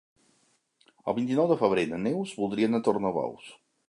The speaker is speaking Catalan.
El vint-i-nou de febrer na Neus voldria anar a Tornabous.